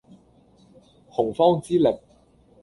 洪荒之力